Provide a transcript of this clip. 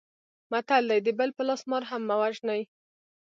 متل دی: د بل په لاس مار هم مه وژنئ.